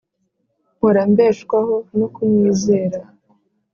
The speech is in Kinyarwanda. Mpora mbeshwaho no kumwizera